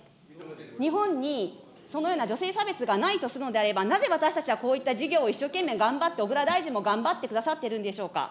日本にそのような女性差別がないとするのであれば、なぜ私たちはこういった事業を一生懸命頑張って、小倉大臣も頑張ってくださってるんでしょうか。